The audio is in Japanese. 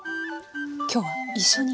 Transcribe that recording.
今日は一緒に。